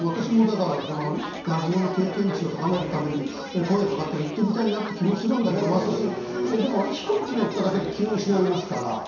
私も落語の経験値を高めるために声が掛かれば行ってみたい気もするんだけどでも、飛行機に乗っただけで気を失いますから。